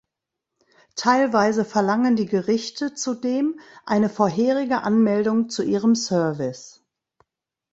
Teilweise verlangen die Gerichte zudem eine vorherige Anmeldung zu ihrem Service.